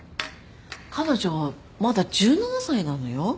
彼女まだ１７歳なのよ？